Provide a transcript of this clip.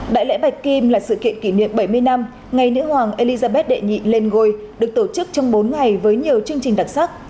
đại lễ bạch kim là sự kiện kỷ niệm bảy mươi năm ngày nữ hoàng elizabeth đệ nhị lên ngôi được tổ chức trong bốn ngày với nhiều chương trình đặc sắc